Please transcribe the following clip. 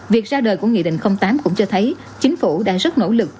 việc ra đời của nghị định tám cũng cho thấy chính phủ đang rất nỗ lực